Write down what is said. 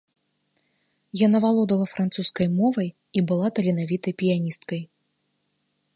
Яна валодала французскай мовай і была таленавітай піяністкай.